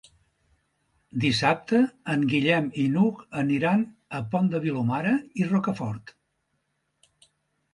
Dissabte en Guillem i n'Hug aniran al Pont de Vilomara i Rocafort.